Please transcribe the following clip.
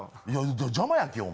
邪魔やんけ、お前。